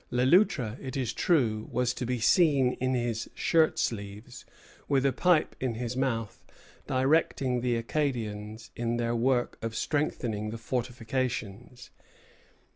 Le Loutre, it is true, was to be seen in his shirt sleeves, with a pipe in his mouth, directing the Acadians in their work of strengthening the fortifications.